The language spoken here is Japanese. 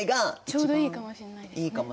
ちょうどいいかもしれないですね。